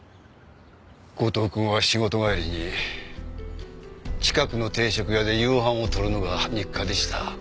後藤くんは仕事帰りに近くの定食屋で夕飯をとるのが日課でした。